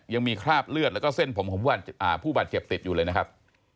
ยังมีคราบเลือดแล้วก็เส้นผมของผู้บาดเจ็บติดอยู่เลยนะครับ